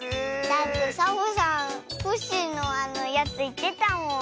だってサボさんコッシーのやついってたもん。